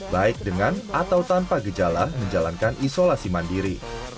baik dengan atau tanpa gejala menjalankan isolasi mandiri